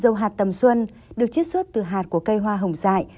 dâu hạt tầm xuân được chiết xuất từ hạt của cây hoa hồng dại